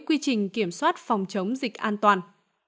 quy trình kiểm soát phòng chống dịch an toàn